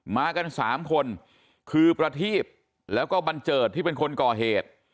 มากัน๓คนคือประทีบแล้วก็บันเจิดที่เป็นคนก่อเหตุ